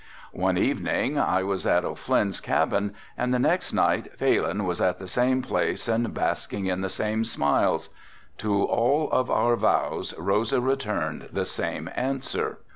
One evening I was at O'Flynn's cabin and the next night Phalin was at the same place and basking in the same smiles. To all of our vows Rosa returned the same answer."